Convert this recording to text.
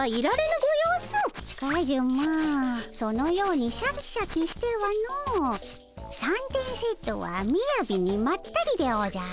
カズマそのようにシャキシャキしてはの三点セットはみやびにまったりでおじゃる。